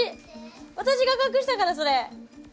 私が隠したからそれ。